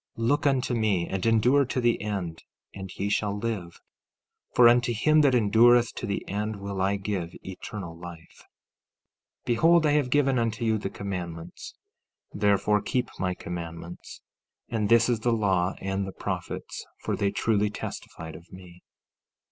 Look unto me, and endure to the end, and ye shall live; for unto him that endureth to the end will I give eternal life. 15:10 Behold, I have given unto you the commandments; therefore keep my commandments. And this is the law and the prophets, for they truly testified of me.